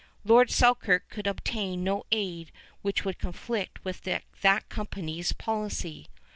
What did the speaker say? Lord Selkirk could obtain no aid which would conflict with that company's policy.